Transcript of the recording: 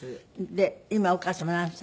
で今お母様何歳？